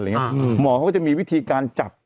หมอก็จะมีวิธีการจัด